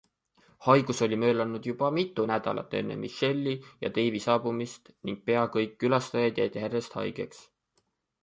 Haigus oli möllanud juba mitu nädalat enne Michelle'i ja Dave'i saabumist ning pea kõik külastajad jäid järjest haigeks.